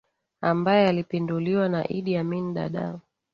ambaye alipinduliwa na Idi Amin Dadaa